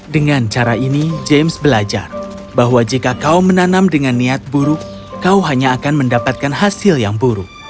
dengan cara ini james belajar bahwa jika kau menanam dengan niat buruk kau hanya akan mendapatkan hasil yang buruk